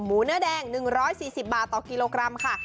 เนื้อแดง๑๔๐บาทต่อกิโลกรัมค่ะ